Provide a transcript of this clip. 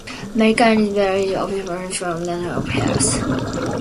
America and is Vice-Chair of the Foundation for the National Institutes of Health.